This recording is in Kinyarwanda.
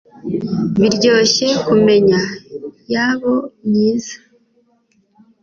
Biryoshye kumyenda yabo myiza